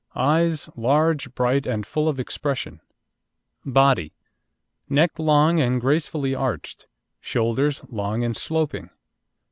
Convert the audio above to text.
Eyes large, bright, and full of expression. BODY Neck long and gracefully arched. Shoulders long and sloping.